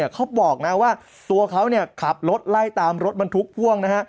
เขาบอกนะว่าตัวเขาขับรถไล่ตามรถบรรทุกพ่วงนะฮะ